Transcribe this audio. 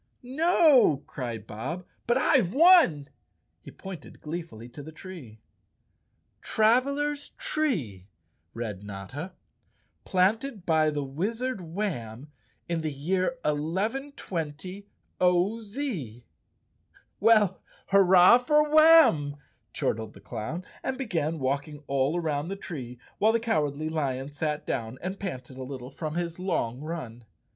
"No," cried Bob, "but I've won!" He pointed glee¬ fully to the tree. " Travelers' Tree," read Notta, " planted by the Wiz¬ ard Warn in the year 1120 0. Z. "W ell, hurrah for Warn!" chortled the clown, and began walking all around the tree, while the Cowardly Lion sat down and panted a little from his long run.